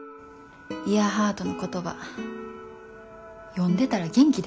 イヤハートの言葉読んでたら元気出てな。